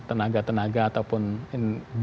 dan memang setelah ini ya di mete lepas mengalami